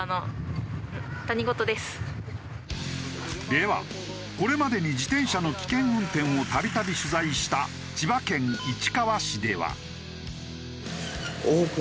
ではこれまでに自転車の危険運転を度々取材した千葉県市川市では。